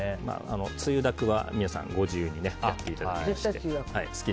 つゆだくは皆さんご自由にやっていただきまして。